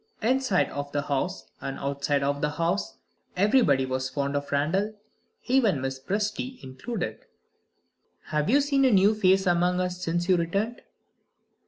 Inside of the house, and outside of the house, everybody was fond of Randal; even Mrs. Presty included. "Have you seen a new face among us, since you returned?"